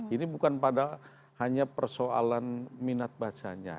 ini bukan pada hanya persoalan minat bacanya